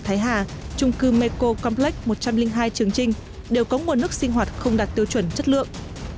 trung cư meco complex một trăm linh hai trường trinh đều có nguồn nước sinh hoạt không đạt tiêu chuẩn chất lượng